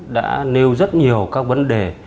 đã nêu rất nhiều các vấn đề